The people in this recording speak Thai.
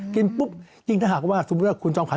กินปุ๊บยิ่งถ้าหากว่าสมมุติว่าคุณจอมข